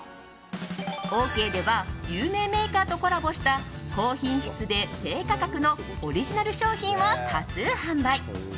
オーケーでは有名メーカーとコラボした高品質で低価格のオリジナル商品を多数販売。